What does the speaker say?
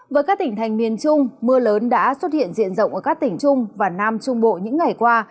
với các tỉnh thành miền trung mưa lớn đã xuất hiện diện rộng ở các tỉnh trung và nam trung bộ những ngày qua